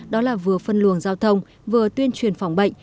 đó là vừa phân luồng giao thông vừa tuyên truyền phòng bệnh